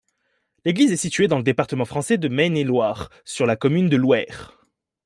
L'église est située dans le département français de Maine-et-Loire, sur la commune de Louerre.